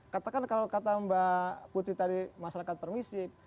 katakan kalau kata mbak putri tadi masyarakat permisif